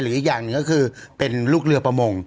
อีกอย่างหนึ่งก็คือเป็นลูกเรือประมง